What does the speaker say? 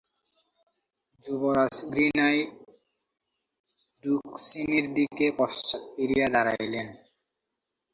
যুবরাজ ঘৃণায় রুক্মিণীর দিকে পশ্চাৎ ফিরিয়া দাঁড়াইলেন।